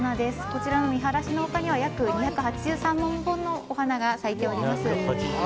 こちら、みはらしの丘には約２８３万本のお花が咲いております。